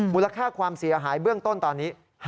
มูลค่าความเสียหายเบื้องต้นตอนนี้